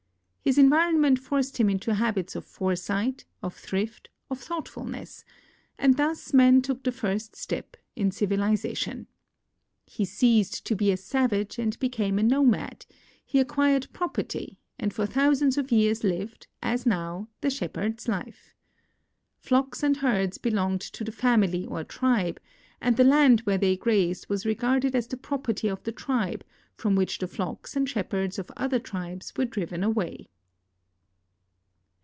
His environment forced him into habits of foresight, of thrift, of thoughtfulness ; and thus man took the first step in civilization. He ceased to be a savage and became a nomad; he acquired property, and for thousands of years lived, as now, the shepherd's life. Flocks and herds belonged to the family or tribe, and the land where they grazed was regarded as the property of the tribe, from which the flocks and shepherds of other tribes were driven away.